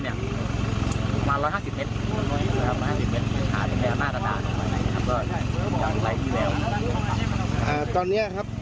จะมีใช่แค่